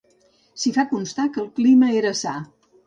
S'hi fa constar que el clima era sa.